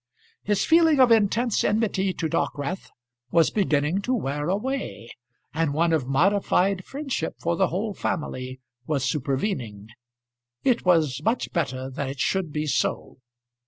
His feeling of intense enmity to Dockwrath was beginning to wear away, and one of modified friendship for the whole family was supervening. It was much better that it should be so.